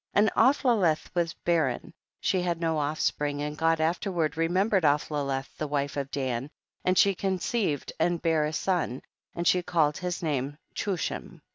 8. And Aphlaleth was barren, she had no offspring, and God afterward remembered Aphlaleth the wife of Dan, and she conceived and bare a son, and she called his name Chus him.